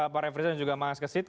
pak refresen juga mas kesit